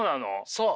そう！